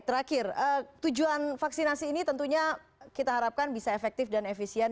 terakhir tujuan vaksinasi ini tentunya kita harapkan bisa efektif dan efisien